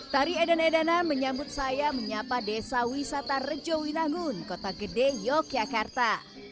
tari edana edana menyambut saya menyapa desa wisata rejowinangun kota gede yogyakarta